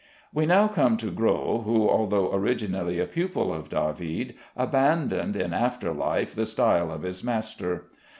We now come to Gros, who, although originally a pupil of David, abandoned in after life the style of his master.